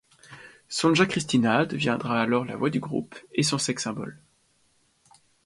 Sonja Kristina deviendra alors la voix du groupe et son sex-symbol.